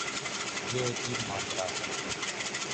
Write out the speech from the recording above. یہ عجیب ماجرا ہے۔